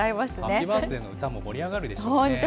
ハッピーバースデーの歌も盛り上がるでしょうね。